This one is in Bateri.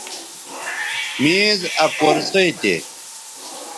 میز آ کرسئ تھے